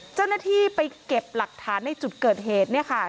เจ้าหน้าที่ไปเก็บหลักฐานในจุดเกิดเหตุเนี่ยค่ะ